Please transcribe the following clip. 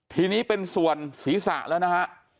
ทีนี้เป็นส่วนศีรษะแล้วนะฮะ